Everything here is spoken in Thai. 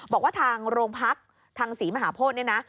บอกว่าทางโรงพักทางศรีมหาโพธิเนี่ยนะ